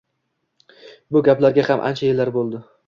Bu gaplarga ham ancha yillar bo`ldi